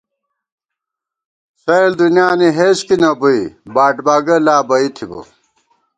سَئیل دُنیانی ہېچکی نہ بُوئی ، باٹباگہ لا بئ تھِبہ